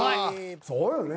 そうよね。